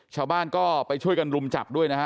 ชาวบ้านก็ไปช่วยกันรุมจับด้วยนะฮะ